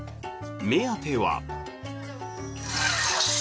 目当ては。